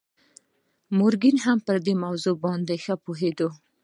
مورګان هم پر دې موضوع باندې ښه پوهېده